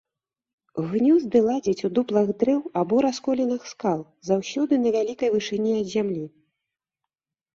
Гнёзды ладзяць у дуплах дрэў альбо расколінах скал, заўсёды на вялікай вышыні ад зямлі.